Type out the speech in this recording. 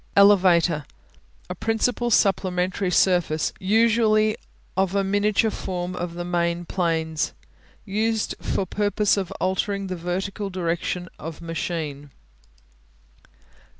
Elevator A principal supplementary surface, usually of a miniature form of the main planes. Used for purpose of altering the vertical direction of machine.